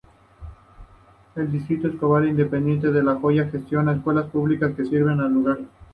El Distrito Escolar Independiente de La Joya gestiona escuelas públicas que sirven al lugar.